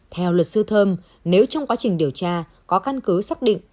theo luật sư thơm nếu trong quá trình điều tra có căn cứ xác định